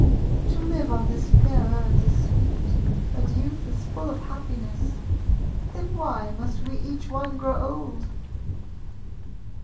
"To live on this fair earth is sweet, And youth is full of happiness. Then why must wc each one grow old?"